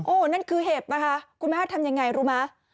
นั่นคือเห็บนะคะคุณแม่ทำยังไงรู้ไหม